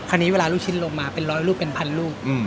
คราวนี้เวลาลูกชิ้นลงมาเป็นร้อยลูกเป็นพันลูก